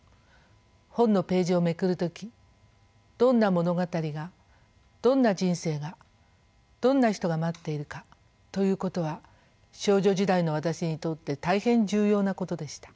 本のページをめくる時どんな物語がどんな人生がどんな人が待っているかということは少女時代の私にとって大変重要なことでした。